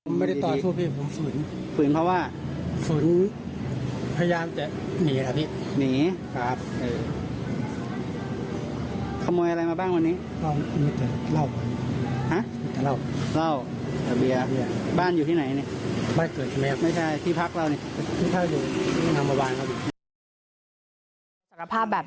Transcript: ไม่เกิดใช่ไหมครับ